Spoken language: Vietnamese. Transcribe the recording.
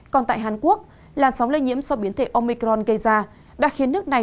còn tại hàn quốc làn sóng lây nhiễm so với biến thể omicron gây ra đã khiến nước này